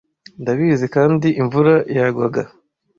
"Ndabizi, kandi imvura yagwaga.